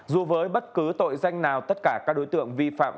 dù với bất cứ tội danh nào tất cả các đối tượng vi phạm